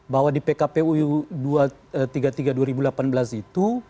bahwa di pkpu tiga puluh tiga dua ribu delapan belas itu